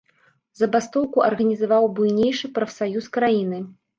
Забастоўку арганізаваў буйнейшы прафсаюз краіны.